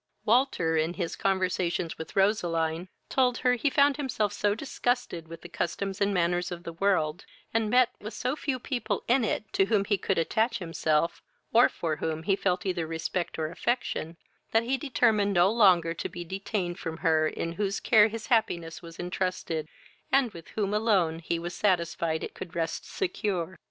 Walter, in his conversations with Roseline, told her, he found himself so disgusted with the customs and manners of the world, and met with so few people in it to whom he could attach himself, or for whom he felt either respect or affection, that he determined no longer to be detained from her in whose care his happiness was intrusted, and with whom alone he was satisfied it could rest secure.